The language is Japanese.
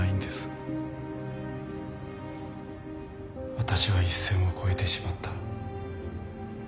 私は一線を越えてしまった。